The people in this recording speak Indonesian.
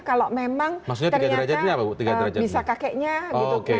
kalau memang ternyata bisa kakeknya gitu kan